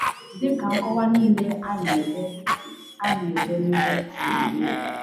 Dịka nkọwa niile a na edemede a siri dị